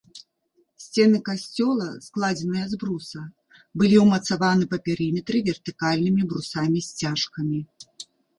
Сцены касцёла, складзеныя з бруса, былі ўмацаваны па перыметры вертыкальнымі брусамі-сцяжкамі.